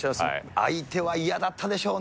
相手は嫌だったでしょうね。